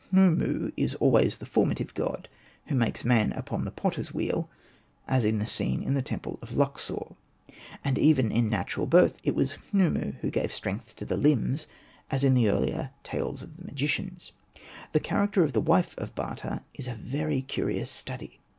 Khnumu is always the formative god, who makes man upon the potter's wheel, as in the scene in the temple of Luqsor. And even in natural birth it was Khnumu who " gave strength to the limbs,'' as in the earlier '' Tales of the Magi cians." The character of the wife of Bata is a very curious study.